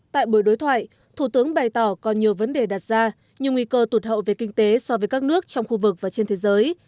tại buổi đối thoại thủ tướng bày tỏ có nhiều vấn đề đặt ra nhiều nguy cơ tụt hậu về kinh tế so với các nước trong khu vực và trên thế giới